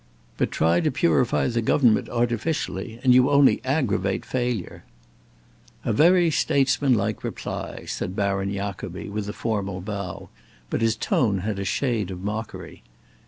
But try to purify the government artificially and you only aggravate failure." "A very statesmanlike reply," said Baron Jacobi, with a formal bow, but his tone had a shade of mockery.